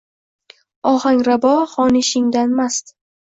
Ohanrabo xonishingdan mast